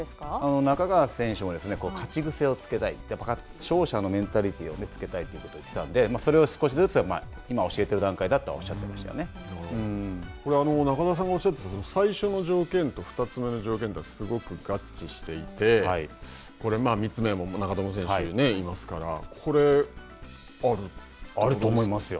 仲川選手も、勝ち癖をつけたい勝者のメンタリティーを植えつけたいということを言ってたんで、それを少しずつ今、教えている段これは中澤さんがおっしゃっていた、最初の条件と２つ目の条件は、すごく合致していて、３つ目も長友選手がいますから、これ、ありますか。